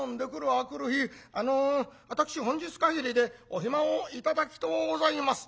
明くる日「あの私本日限りでお暇を頂きとうございます」。